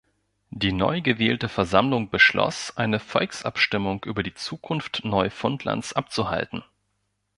Die neugewählte Versammlung beschloss, eine Volksabstimmung über die Zukunft Neufundlands abzuhalten.